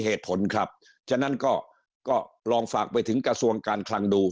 เหตุผลครับฉะนั้นก็ก็ลองฝากไปถึงกระทรวงการคลังดู